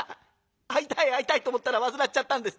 会いたい会いたいと思ったら煩っちゃったんです。